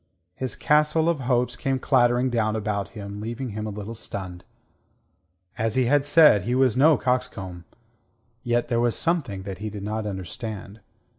His castle of hopes came clattering down about him, leaving him a little stunned. As he had said, he was no coxcomb. Yet there was something that he did not understand.